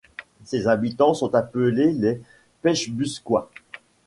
Ses habitants sont appelés les Pechbusquois.